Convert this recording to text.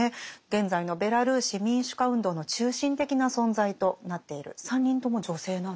現在のベラルーシ民主化運動の中心的な存在となっている３人とも女性なんですね。